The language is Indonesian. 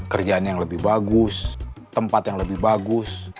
kerjaan yang lebih bagus tempat yang lebih bagus